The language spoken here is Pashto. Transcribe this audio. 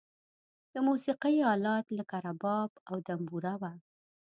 د موسیقی آلات لکه رباب او دمبوره و.